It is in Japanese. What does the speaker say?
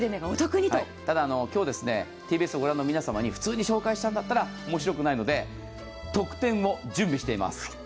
ただ今日、ＴＢＳを御覧の皆様に普通に紹介したら面白くないので特典を準備しています。